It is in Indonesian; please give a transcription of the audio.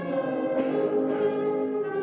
lagu kebangsaan indonesia raya